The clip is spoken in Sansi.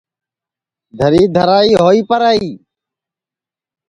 دَھری دَھرائی ہوئی پرائی